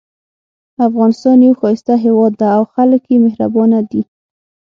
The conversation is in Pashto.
افغانستان یو ښایسته هیواد ده او خلک یې مهربانه دي